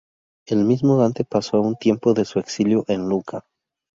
El mismo Dante pasó un tiempo de su exilio en Lucca.